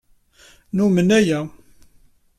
Numen aya.